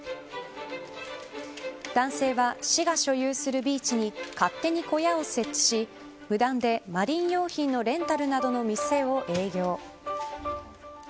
男性は、市が所有するビーチに勝手に小屋を設置し無断でマリン用品のレンタルなどの店を営業。